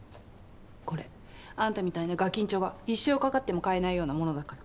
これあんたみたいなガキんちょが一生かかっても買えないようなものだから。